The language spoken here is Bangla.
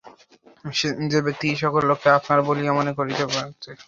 যে ব্যক্তি সকল লোককে আপনার বলিয়া মনে করিতে পারে, সকল লোক তো তাহারই।